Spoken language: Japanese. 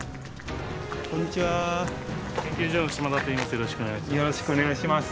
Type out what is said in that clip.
よろしくお願いします。